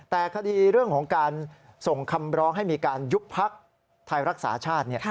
แต่คดีเรื่องของการส่งคำร้องให้มีการยุบพักไทยรักษาชาติ